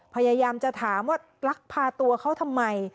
พยายามจะถามว่าลักพาตัวเขาทำไม